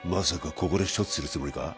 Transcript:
ここで処置するつもりか？